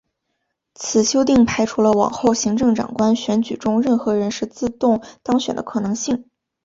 此修订排除了往后行政长官选举中任何人士自动当选的可能性。